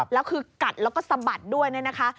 แล้วคือกัดแล้วก็สะบัดด้วยเนี่ยนะคะ